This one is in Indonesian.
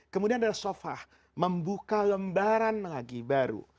kemudian ada sofah membuka lembaran lagi baru